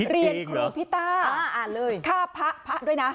เรียนครูผิตต้าอ่าอ่านเลยข้าพระอนดุ้ยนะ